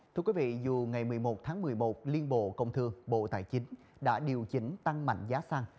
thưa quý vị dù ngày một mươi một tháng một mươi một liên bộ công thương bộ tài chính đã điều chỉnh tăng mạnh giá xăng